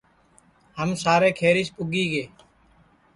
ہم سارے کھیریس پُگی گے